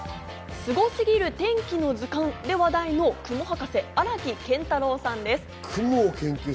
『すごすぎる天気の図鑑』で話題の雲博士・荒木健太郎さんです。